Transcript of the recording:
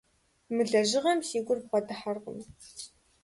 Мы лэжьыгъэм си гур бгъэдыхьэркъым.